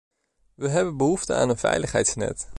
We hebben behoefte aan een veiligheidsnet.